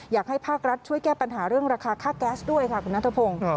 อยากให้ภาครัฐช่วยแก้ปัญหาเรื่องราคาค่าแก๊สด้วยค่ะคุณนัทพงศ์